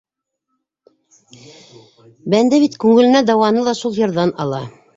Бәндә бит күңеленә дауаны ла шул йырҙан ала.